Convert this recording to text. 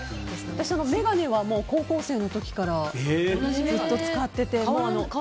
私、眼鏡は高校生の時からずっと使ってて。